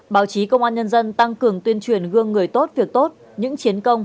báo chí công an nhân dân tăng cường tuyên truyền gương người tốt việc tốt những chiến công